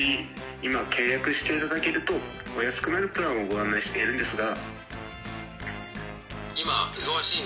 今、契約していただけるとお安くなるプランをご案内しているんですが。